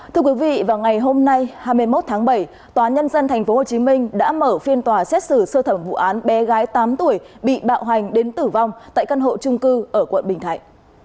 thưa quý vị vào ngày hôm nay hai mươi một tháng bảy tòa nhân dân tp hcm đã mở phiên tòa xét xử sơ thẩm vụ án bé gái tám tuổi bị bạo hành đến tử vong tại căn hộ trung cư ở quận bình thạnh